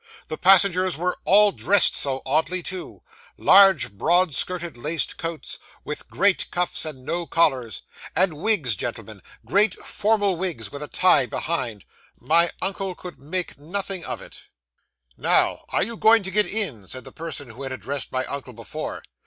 The passengers were all dressed so oddly too! Large, broad skirted laced coats, with great cuffs and no collars; and wigs, gentlemen great formal wigs with a tie behind. My uncle could make nothing of it. '"Now, are you going to get in?" said the person who had addressed my uncle before.